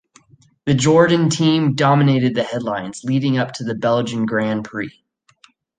The Jordan team dominated the headlines leading up to the Belgian Grand Prix.